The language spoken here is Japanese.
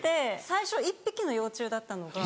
最初１匹の幼虫だったのが。